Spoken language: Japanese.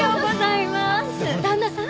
旦那さん？